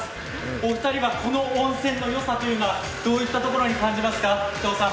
お二人はこの温泉のよさというのはどういったところに感じますか？